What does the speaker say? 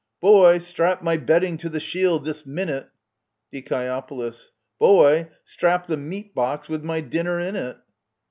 Boy, strap my bedding to the shield this minute ! Die. Boy, strap the meat box with my dinner in it